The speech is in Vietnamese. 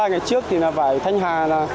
ngày trước thì vải thanh hà